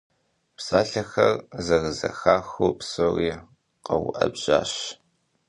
А псалъэхэр зэрызэхахыу псори къэуӀэбжьащ.